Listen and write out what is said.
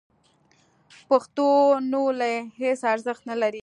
پښتونولي هېڅ ارزښت نه لري.